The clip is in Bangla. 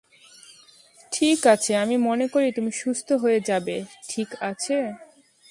ঠিক আছে আমি মনে করি তুমি সুস্থ হয়ে যাবে ঠিক আছে?